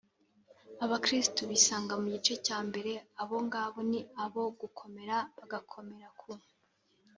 abakristu bisanga mu gice cya mbere, abo ngabo ni abo gukomera bagakomera ku